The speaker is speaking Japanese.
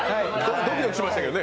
ドキドキしましたけどね。